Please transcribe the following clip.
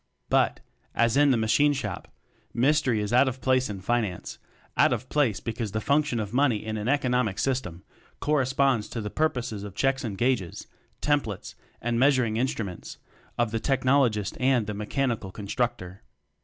But as in the machine shop "mystery" is out of place in finance; out of place because the function of 32 TECHNOCRACY "money" in an economic system cor responds to the purposes of checks and gauges, templets and measuring instruments of the technologist and the mechanical constructor.